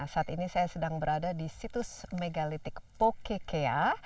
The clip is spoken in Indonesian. saat ini saya sedang berada di situs megalitik pokekea